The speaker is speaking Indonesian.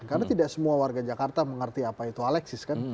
karena tidak semua warga jakarta mengerti apa itu aleksis kan